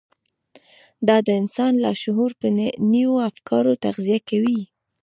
دا د انسان لاشعور په نويو افکارو تغذيه کوي.